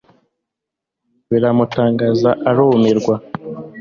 biramutangaza arumirwa